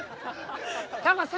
「タカさん！